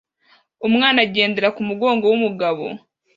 Umwana agendera kumugongo wumugabo